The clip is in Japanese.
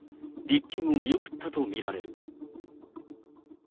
立件を見送ったと見られる。